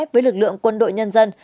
với lực lượng quân đội nhân dân